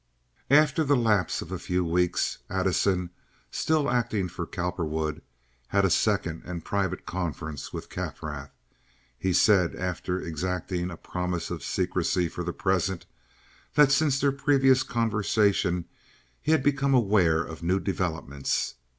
After the lapse of a few weeks Addison, still acting for Cowperwood, had a second and private conference with Kaffrath. He said, after exacting a promise of secrecy for the present, that since their previous conversation he had become aware of new developments.